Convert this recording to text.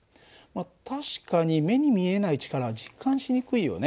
確かに目に見えない力は実感しにくいよね。